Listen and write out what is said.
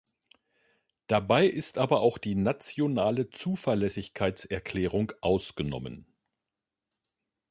Dabei ist aber auch die nationale Zuverlässigkeitserklärung ausgenommen.